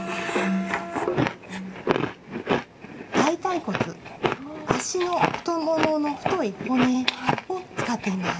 大たい骨足の太ももの太い骨を使っています。